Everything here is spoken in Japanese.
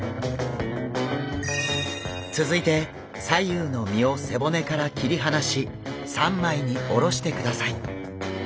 続いて左右の身を背骨から切りはなし三枚におろしてください。